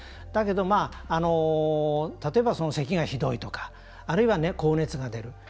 だけど例えば、せきがひどいとかあるいは高熱が出る。